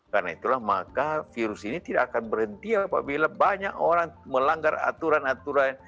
karena itulah maka virus ini tidak akan berhenti apabila banyak orang melanggar aturan aturan